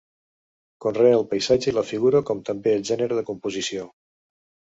Conrea el paisatge i la figura, com també el gènere de composició.